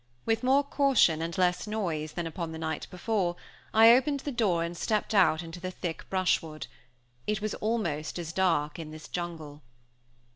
With more caution, and less noise than upon the night before, I opened the door and stepped out into the thick brushwood. It was almost as dark in this jungle.